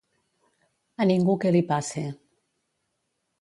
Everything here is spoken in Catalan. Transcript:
A ningú que li passe